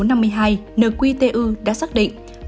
nqtu đã xác định